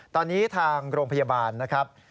ตอนนี้ทางโรงพยาบาลนะครับ